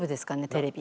テレビ。